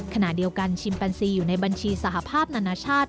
ขณะเดียวกันชิมแปนซีอยู่ในบัญชีสหภาพนานาชาติ